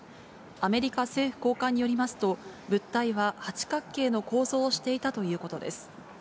アメリカ政府高官によりますと、物体は八角形の構造をしていたということです。